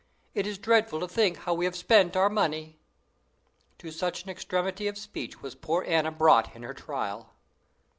It is dreadful to think how we have spent our money!" To such an extremity of speech was poor Anna brought in her trial.